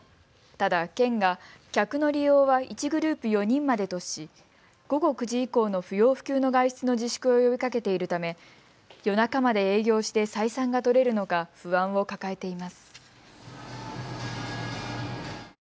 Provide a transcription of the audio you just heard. ただ県が客の利用は１グループ４人までとし午後９時以降の不要不急の外出の自粛を呼びかけているため夜中まで営業して採算が取れるのか不安を抱えています。